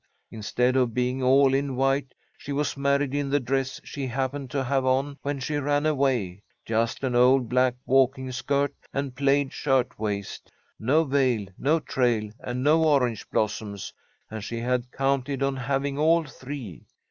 Instead of being all in white, she was married in the dress she happened to have on when she ran away, just an old black walking skirt and plaid shirt waist. No veil, no trail, and no orange blossoms, and she had counted on having all three.